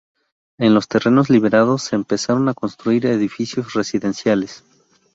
En los terrenos liberados se empezaron a construir edificios residenciales.